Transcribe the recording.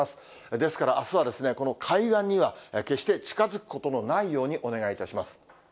ですからあすは、この海岸には決して近づくことのないようにお願いいたします。